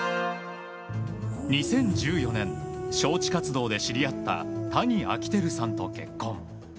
２０１４年招致活動で知り合った谷昭輝さんと結婚。